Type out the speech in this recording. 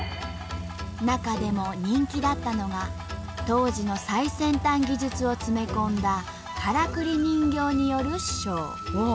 中でも人気だったのが当時の最先端技術を詰め込んだからくり人形によるショー。